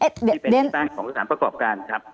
นี่เป็นที่ตั้งของสถานประกอบการครับ